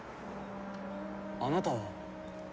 あなたは！